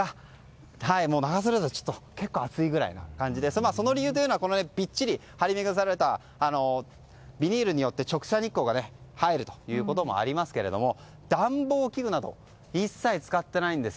長袖だと暑いくらいな感じでその理由はぴっちり張り巡らされたビニールによって直射日光が入るということもありますが暖房器具など一切使っていないんです。